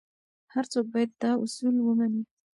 هر څوک باید دا اصول ومني.